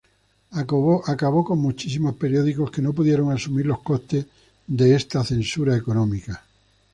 Acabó con muchísimos periódicos, que no pudieron asumir los costes de este censura económica.